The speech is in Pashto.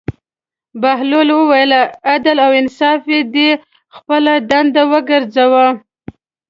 بهلول وویل: عدل او انصاف دې خپله دنده وګرځوه.